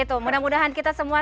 itu mudah mudahan kita semua